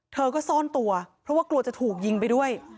เธอก็ซ่อนตัวเพราะว่ากลัวจะถูกยิงไปด้วย